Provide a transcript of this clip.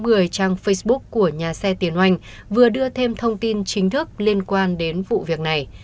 người trang facebook của nhà xe tiến oanh vừa đưa thêm thông tin chính thức liên quan đến vụ việc này